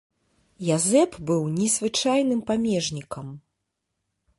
Язэп быў незвычайным памежнікам.